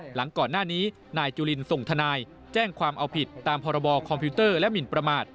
หลังก่อนหน้านี้นายจุลินส่งทนายแจ้งความเอาผิดตามพรบคอมพิวเตอร์และหมินประมาท